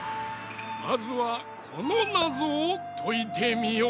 まずはこのなぞをといてみよ。